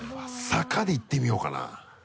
逆でいってみようかな。